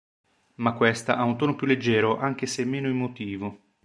Ma questa ha un tono più leggero anche se meno emotivo".